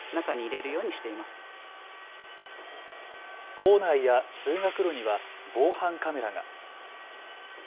校内や通学路には防犯カメラが。